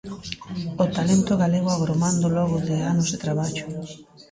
O talento galego agromando logo de anos de traballo.